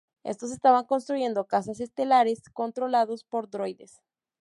Estos estaban construyendo cazas estelares controlados por droides.